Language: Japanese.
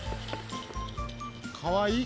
かわいい。